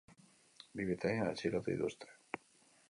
Bi britainiar atxilotu dituzte.